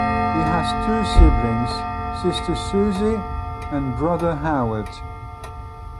He has two siblings: sister Susie and brother Howard.